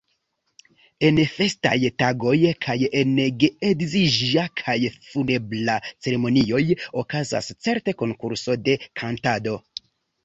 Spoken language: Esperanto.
En festaj tagoj kaj en geedziĝa kaj funebra ceremonioj okazas certe konkurso de kantado.